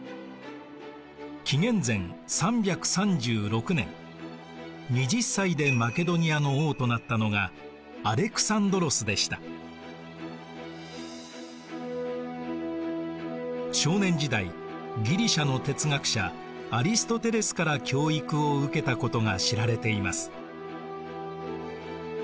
紀元前３３６年２０歳でマケドニアの王となったのが少年時代ギリシアの哲学者アリストテレスから教育を受けたことが知られています。